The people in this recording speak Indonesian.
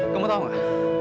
kamu tahu nggak